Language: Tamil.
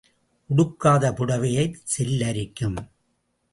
உடுக்காத புடைவையைச் செல் அரிக்கும்.